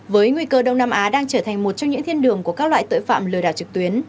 với nguy cơ đông nam á đang trở thành một trong những thiên đường của các loại tội phạm lừa đảo trực tuyến